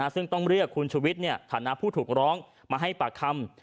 ซึ่งต้องเรียกคุณชุวิตฐานะผู้ถูกร้องมาให้ปากคำ